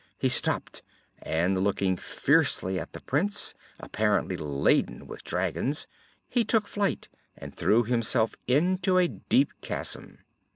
He stopped, and looking fiercely at the Prince, apparently laden with dragons, he took flight and threw himself into a deep chasm.